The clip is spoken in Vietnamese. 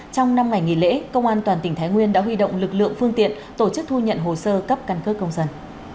trong năm ngày nghỉ lễ công an toàn tỉnh thái nguyên đã huy động lực lượng phương tiện tổ chức thu nhận hồ sơ cấp căn cước công dân